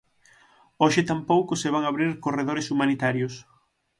Hoxe tampouco se van abrir corredores humanitarios.